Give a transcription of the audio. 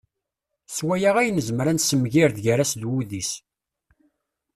S waya ay nezmer ad nessemgired gar-as d wuddis.